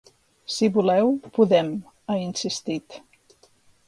Si voleu, podem, ha insistit.